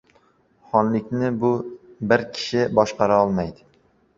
• Xonlikni bir kishi boshqarolmaydi.